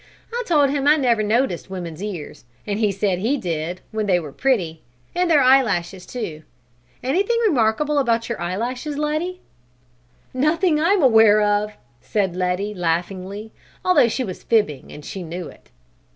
I told him I never noticed women's ears, and he said he did, when they were pretty, and their eyelashes, too. Anything remarkable about your eyelashes, Letty?" "Nothing that I'm aware of!" said Letty laughingly, although she was fibbing and she knew it.